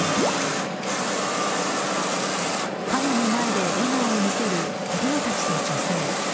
カメラの前で姿を見せる子供たちと女性。